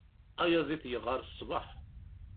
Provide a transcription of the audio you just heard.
Ayaziḍ yeɣɣar ṣṣbeḥ.